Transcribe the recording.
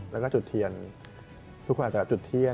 แล้วก็จุดเทียนทุกคนอาจจะจุดเทียน